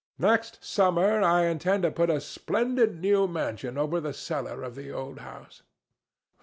Next summer I intend to put a splendid new mansion over the cellar of the old house."